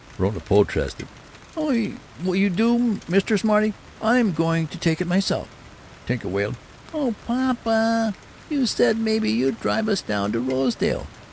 Verona protested, "Oh, you do, Mr. Smarty! I'm going to take it myself!" Tinka wailed, "Oh, papa, you said maybe you'd drive us down to Rosedale!"